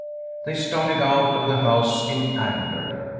They started out of the house in anger.